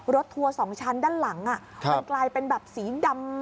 รถทัวร์สองชั้นด้านหลังอ่ะครับมันกลายเป็นแบบสีดำ